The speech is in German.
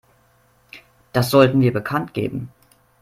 Das sollten wir bekanntgeben.